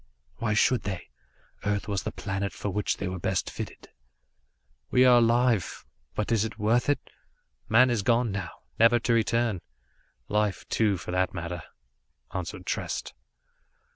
"Why should they? Earth was the planet for which they were best fitted." "We are alive but is it worth it? Man is gone now, never to return. Life, too, for that matter," answered Trest.